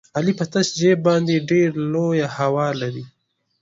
علي په تش جېب باندې ډېره لویه هوا لري.